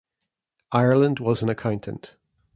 Ireland was an accountant.